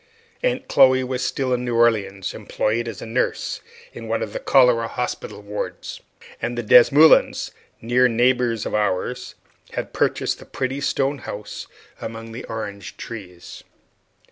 Aunt Chloe was still in New Orleans, employed as nurse in one of the cholera hospital wards, and the Desmoulins, near neighbors of ours, had purchased the pretty stone house among the orange trees.